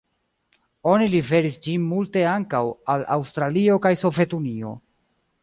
Oni liveris ĝin multe ankaŭ al Aŭstralio kaj Sovetunio.